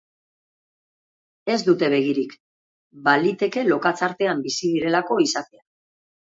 Ez dute begirik, baliteke lokatz artean bizi direlako izatea.